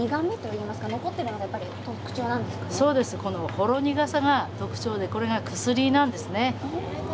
ほろ苦さが特徴でこれが薬なんですね。